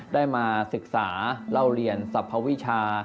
ได้มาศึกษาเล่าเรียนสรรพวิชา